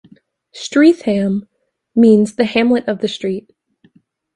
Streatham means "the hamlet on the street".